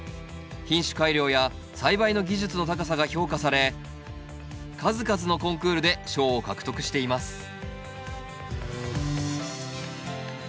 品種改良や栽培の技術の高さが評価され数々のコンクールで賞を獲得しています